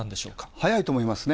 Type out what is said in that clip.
早いと思いますね。